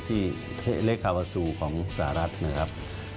ที่เล็กคาวาซูของสหรัฐนะครับ